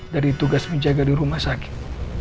dari tugas menjaga dirumah sakit